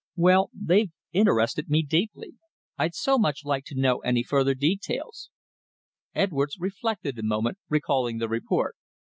"Well, they've interested me deeply. I'd so much like to know any further details." Edwards reflected a moment, recalling the report.